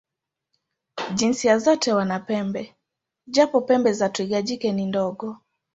Jinsia zote wana pembe, japo pembe za twiga jike ni ndogo.